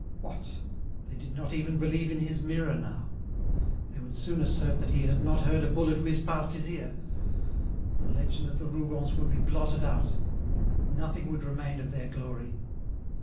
What! they did not even believe in his mirror now! They would soon assert that he had not heard a bullet whiz past his ear. The legend of the Rougons would be blotted out; nothing would remain of their glory.